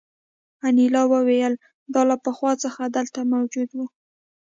انیلا وویل دا له پخوا څخه دلته موجود وو